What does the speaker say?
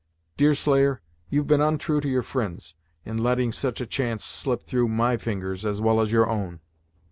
Deerslayer, you've been ontrue to your fri'nds in letting such a chance slip through my fingers well as your own."